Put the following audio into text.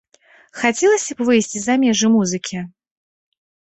Хацелася б выйсці за межы музыкі?